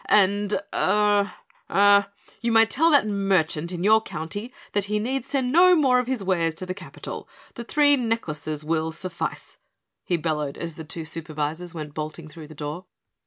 And er er you may tell that merchant in your county that he need send no more of his wares to the capital, the three necklaces will suffice," he bellowed as the two Supervisors went bolting through the door.